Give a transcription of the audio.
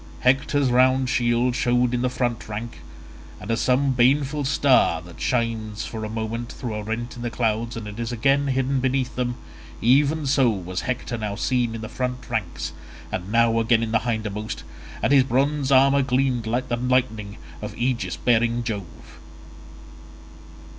Hector's round shield showed in the front rank, and as some baneful star that shines for a moment through a rent in the clouds and is again hidden beneath them; even so was Hector now seen in the front ranks and now again in the hindermost, and his bronze armour gleamed like the lightning of aegis bearing Jove.